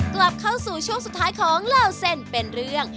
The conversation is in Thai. กลับเข้าสู่ช่วงสุดท้ายของเล่าเส้นเป็นเรื่อง